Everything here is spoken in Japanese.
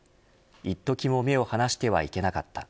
一時も目を離してはいけなかった。